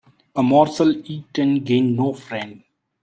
A morsel eaten gains no friend.